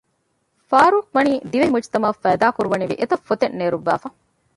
ފާރޫޤް ވަނީ ދިވެހި މުޖުތަމަޢަށް ފައިދާ ކުރުވަނިވި އެތައް ފޮތެއް ނެރުއްވައިފަ